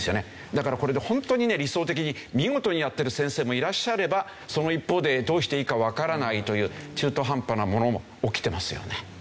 だからこれで本当にね理想的に見事にやっている先生もいらっしゃればその一方でどうしていいかわからないという中途半端なものも起きてますよね。